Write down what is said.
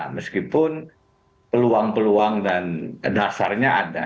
meskipun peluang peluang dan dasarnya ada